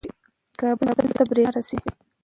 کابل ته برېښنا رسیږي.